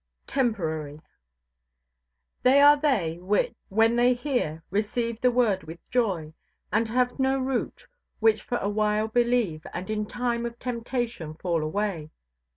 TEMPORARY "They are they, which, when they hear, receive the word with joy; and have no root, which for a while believe, and in time of temptation fall away."